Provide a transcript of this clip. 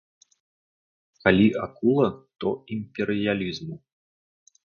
Калі акула, то імперыялізму.